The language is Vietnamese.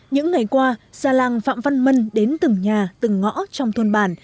những ngày qua già làng phạm văn mân đến từng nhà từng ngõ trong thôn bản